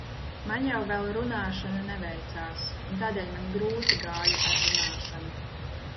Man jau vēl runāšana neveicās un tādēļ man grūti gāja ar runāšanu.